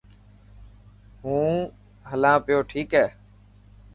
مون هلان پيو ٺيڪ هي.